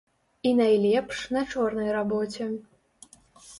І найлепш на чорнай рабоце.